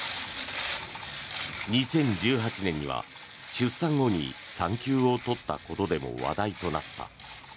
２０１８年には出産後に産休を取ったことでも話題となった。